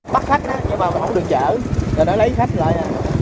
bắt khách nhưng mà không được chở rồi nó lấy khách lại